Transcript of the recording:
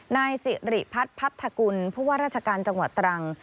นายสิริพัฒน์พัทธกุลผู้ว่าราชการจังหวัดตรัง